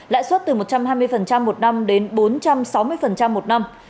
lãi suất từ một trăm hai mươi một năm đến bốn trăm sáu mươi một năm